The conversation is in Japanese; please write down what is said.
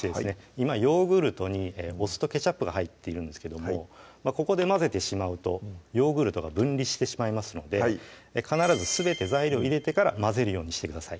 今ヨーグルトにお酢とケチャップが入っているんですけどもここで混ぜてしまうとヨーグルトが分離してしまいますので必ず全て材料入れてから混ぜるようにしてください